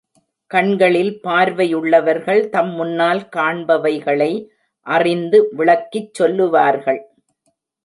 கண்களில் பார்வையுள்ளவர்கள் தம் முன்னால் காண்பவைகளை அறிந்து விளக்கிச் சொல்லுவார்கள்.